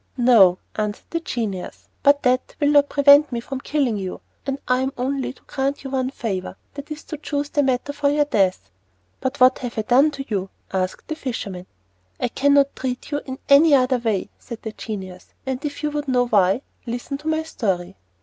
"No," answered the genius; "but that will not prevent me from killing you; and I am only going to grant you one favour, and that is to choose the manner of your death." "But what have I done to you?" asked the fisherman. "I cannot treat you in any other way," said the genius, "and if you would know why, listen to my story.